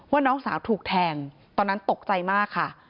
น้องสาวถูกแทงตอนนั้นตกใจมากค่ะ